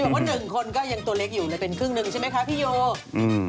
ว่าหนึ่งคนก็ยังตัวเล็กอยู่เลยเป็นครึ่งหนึ่งใช่ไหมคะพี่โยอืม